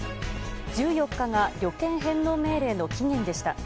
１４日が旅券返納命令の期限でした。